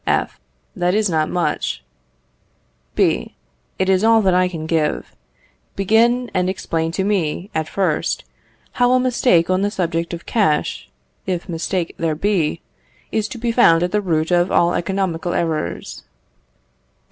F. That is not much. B. It is all that I can give. Begin, and explain to me, at first, how a mistake on the subject of cash, if mistake there be, is to be found at the root of all economical errors?